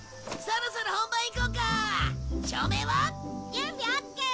準備オッケー！